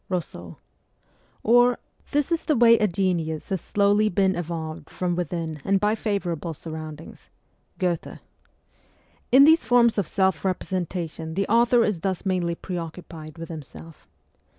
(Eousseau) ; or, ' This is the way a genius has slowly been evolved from within and by favourable surroundings ' (Goethe) . In these forms of self representation the author is thus mainly pre occupied with himself.